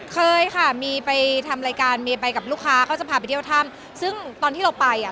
เคยค่ะมีไปทำรายการเมย์ไปกับลูกค้าก็จะพาไปเที่ยวถ้ำซึ่งตอนที่เราไปอ่ะ